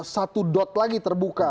satu dot lagi terbuka